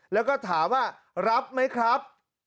แล้วก็ถามว่ารับไหมครับ